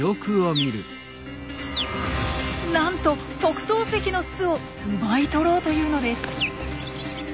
なんと特等席の巣を奪い取ろうというのです。